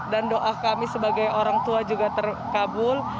dan doa kami sebagai orang tua juga terkabul